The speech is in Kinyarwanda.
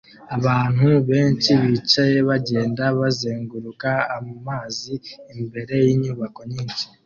Abantu benshi bicaye bagenda bazenguruka amazi imbere yinyubako nyinshi